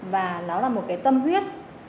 và nó là một cái tâm huyết